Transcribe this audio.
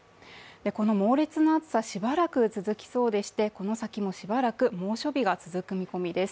この猛烈な暑さはしばらく続きそうでして、この先もしばらく猛暑日が続く見込みです。